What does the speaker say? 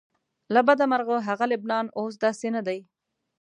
له بده مرغه هغه لبنان اوس داسې نه دی.